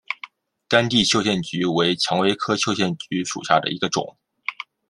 干地绣线菊为蔷薇科绣线菊属下的一个种。